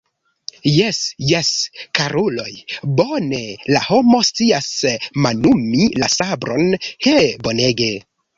Jes, jes, karuloj, bone la homo scias manumi la sabron, he, bonege!